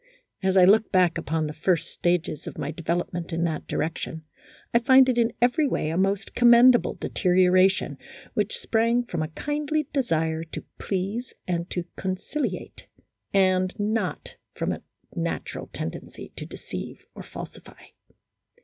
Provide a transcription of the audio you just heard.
As I look back upon the first stages of my development in that direction, I find it in every way a most commendable deterioration which sprang from a kindly desire to please and to conciliate, and not from a natural tendency to deceive or falsify.